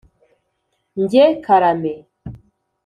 njye: karame!